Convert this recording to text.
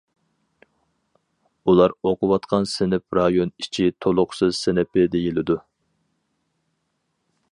ئۇلار ئوقۇۋاتقان سىنىپ رايون ئىچى تولۇقسىز سىنىپى دېيىلىدۇ.